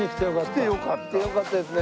来てよかったですね。